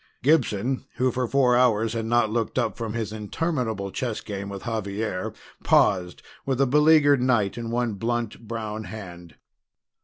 Gibson, who for four hours had not looked up from his interminable chess game with Xavier, paused with a beleaguered knight in one blunt brown hand.